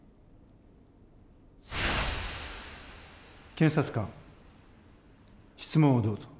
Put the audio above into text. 検察官質問をどうぞ。